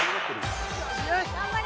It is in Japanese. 頑張れ